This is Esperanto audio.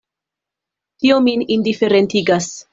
Tio min indiferentigas.